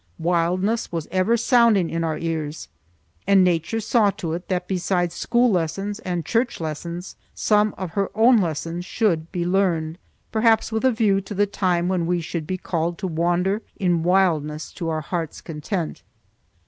Wildness was ever sounding in our ears, and Nature saw to it that besides school lessons and church lessons some of her own lessons should be learned, perhaps with a view to the time when we should be called to wander in wildness to our heart's content.